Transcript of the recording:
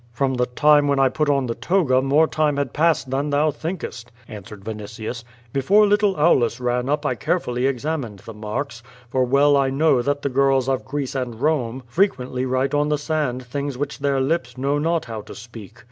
"From the time when I put on the toga more time has passed than thou thinkest," answered Vinitius. "Before little Aulus ran up I carefully examined the marks, for well I know that the girls of Greece and Bome frequently writ<3 on the sand things which their lips know not how to speak.